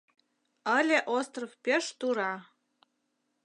Ыле остров пеш тура